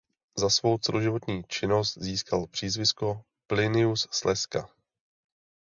Za svou celoživotní činnost získal přízvisko „Plinius Slezska“.